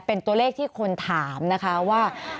เป็นตัวเลขที่คนถามนะคะว่า